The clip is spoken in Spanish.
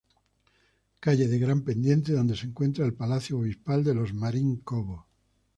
Calle de gran pendiente donde se encuentra el Palacio Obispal de los Marín-Cobo.